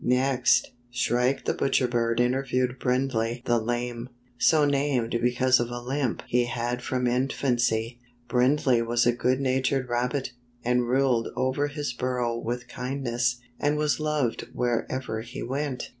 '" Next, Shrike the Butcher Bird interviewed Brindley the Lame, so named because of a limp he had from infancy. Brindley was a good natured rabbit, and ruled over his burrow with kindness, and was loved wherever he went.